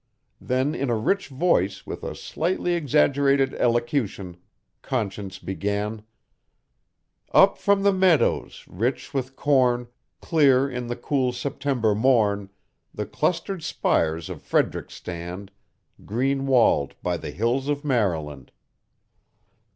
Then in a rich voice with a slightly exaggerated elocution, Conscience began: "Up from the meadows, rich with corn, clear in the cool September morn, The clustered spires of Frederick stand, green walled by the hills of Maryland."